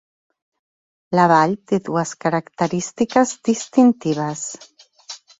La vall té dues característiques distintives.